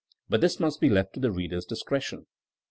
But this must be left to the reader's discretion.